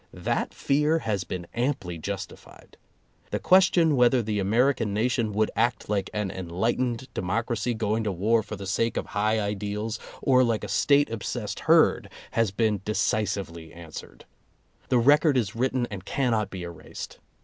That fear has been amply justified. The question whether the American nation would act like an enlightened democracy going to war for the sake of high ideals, or like a State obsessed herd, has been decisively answered. The record is written and cannot be erased.